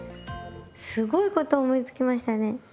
すごいことを思いつきましたね。